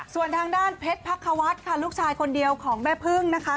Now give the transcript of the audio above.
ส่วนทางด้านเพชรพักควัฒน์ค่ะลูกชายคนเดียวของแม่พึ่งนะคะ